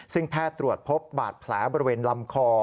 ซึ่งแพทย์ตรวจพบบาดแผลบริเวณลำคอ